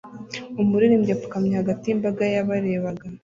umuririmbyi apfukamye hagati yimbaga yabarebaga